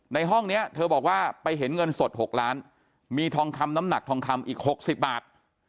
ในห้องนี้เธอบอกว่าไปเห็นเงินสด๖ล้านมีทองคำน้ำหนักทองคำอีก๖๐บาท